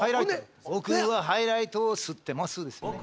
「僕はハイライトを吸ってます」ですよね？